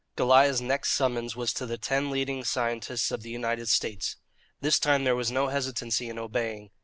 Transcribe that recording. Goliah's next summons was to the ten leading scientists of the United States. This time there was no hesitancy in obeying.